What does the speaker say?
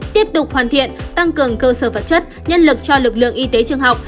tiếp tục hoàn thiện tăng cường cơ sở vật chất nhân lực cho lực lượng y tế trường học